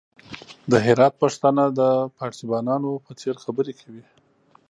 د هرات پښتانه د فارسيوانانو په څېر خبري کوي!